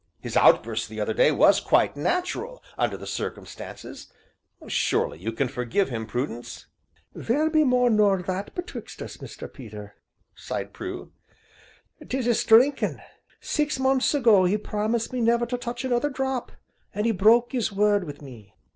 His outburst the other day was quite natural, under the circumstances; surely you can forgive him, Prudence." "There be more nor that betwixt us, Mr. Peter," sighed Prue, "'Tis his drinkin'; six months ago he promised me never to touch another drop an' he broke his word wi' me."